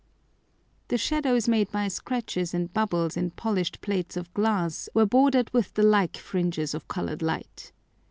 The Shadows made by Scratches and Bubbles in polish'd Plates of Glass were border'd with the like Fringes of colour'd Light.